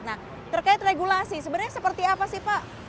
nah terkait regulasi sebenarnya seperti apa sih pak